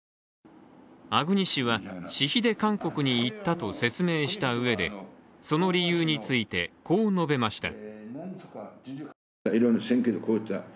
粟國氏は私費で韓国に行ったと説明したうえでその理由についてこう述べました。